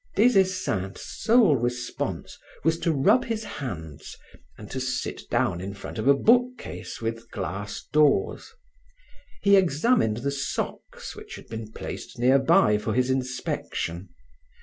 Des Esseintes' sole response was to rub his hands and to sit down in front of a book case with glass doors. He examined the socks which had been placed nearby for his inspection.